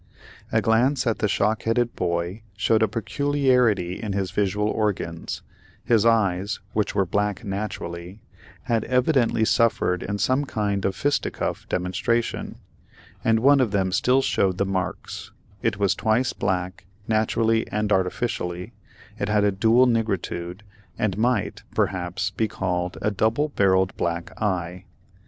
A glance at the shock headed boy showed a peculiarity in his visual organs; his eyes, which were black naturally, had evidently suffered in some kind of a fisticuff demonstration, and one of them still showed the marks; it was twice black, naturally and artificially; it had a dual nigritude, and might, perhaps, be called a double barrelled black eye.